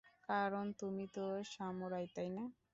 কারণ তুমি তো সামুরাই, তাইনা?